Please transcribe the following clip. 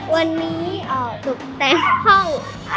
วันนี้ตกแต่งห้อง